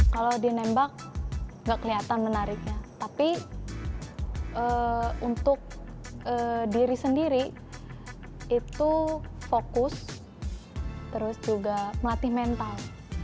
kalau di nembak nggak kelihatan menariknya tapi untuk diri sendiri itu fokus terus juga melatih mental